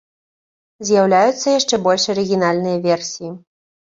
З'яўляюцца яшчэ больш арыгінальныя версіі.